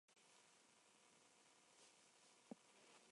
No se tiene que confundir con el equipo Flavia-Gios.